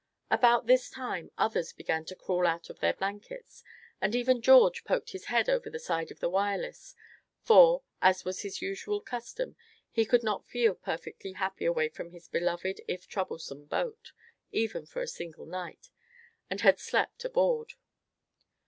About this time others began to crawl out of their blankets; and even George poked his head over the side of the Wireless; for, as was his usual custom, he could not feel perfectly happy away from his beloved if troublesome boat, even for a single night, and had slept aboard.